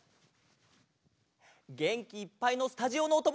げんきいっぱいのスタジオのおともだちも。